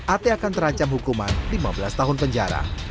at akan terancam hukuman lima belas tahun penjara